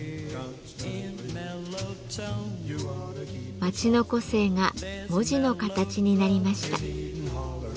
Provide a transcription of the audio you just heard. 街の個性が文字の形になりました。